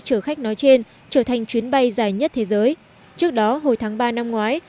chở khách nói trên trở thành chuyến bay dài nhất thế giới trước đó hồi tháng ba năm ngoái